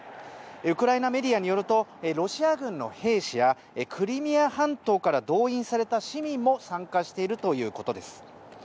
ウクライナメディアによるとロシア軍の兵士やクリミア半島から動員された市民も参加しているということです。